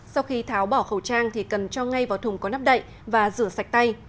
sau khi tháo bỏ khẩu trang thì cần cho ngay vào thùng có nắp đậy và rửa sạch tay